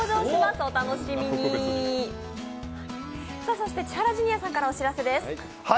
そして千原ジュニアさんからお知らせです。